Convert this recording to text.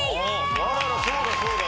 あららそうだそうだ。